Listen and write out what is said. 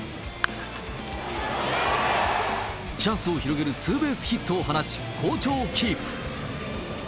チャンスを広げるツーベースヒットを放ち、好調をキープ。